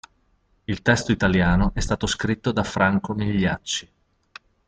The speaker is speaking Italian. Il testo italiano è stato scritto da Franco Migliacci.